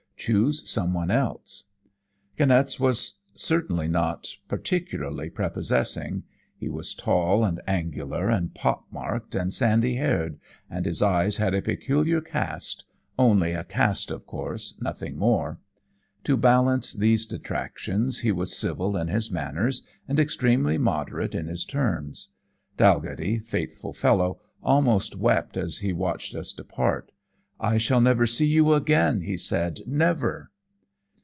Choose some one else.' "Kniaz was certainly not particularly prepossessing. He was tall and angular, and pock marked and sandy haired; and his eyes had a peculiar cast only a cast, of course, nothing more. To balance these detractions he was civil in his manners and extremely moderate in his terms. Dalghetty, faithful fellow, almost wept as he watched us depart. 'I shall never see you again,' he said. 'Never!'